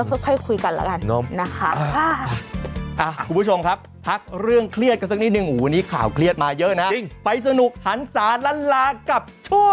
เอาเป็นว่าค่อยคุยกันแล้วกันนะครับ